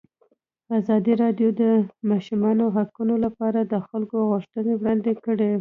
ازادي راډیو د د ماشومانو حقونه لپاره د خلکو غوښتنې وړاندې کړي.